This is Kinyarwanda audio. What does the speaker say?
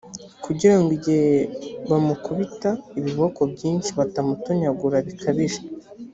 kugira ngo igihe bamukubita ibiboko byinshi batamutonyagura bikabije,